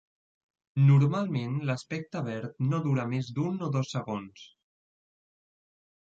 Normalment l'aspecte verd no dura més d'un o dos segons.